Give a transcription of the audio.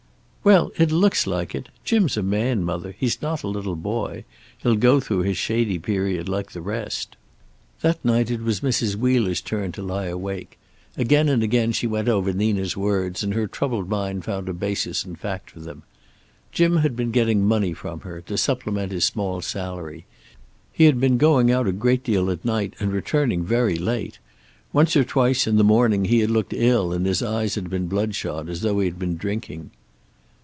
"Well, it looks like it. Jim's a man, mother. He's not a little boy. He'll go through his shady period, like the rest." That night it was Mrs. Wheeler's turn to lie awake. Again and again she went over Nina's words, and her troubled mind found a basis in fact for them. Jim had been getting money from her, to supplement his small salary; he had been going out a great deal at night, and returning very late; once or twice, in the morning, he had looked ill and his eyes had been bloodshot, as though he had been drinking.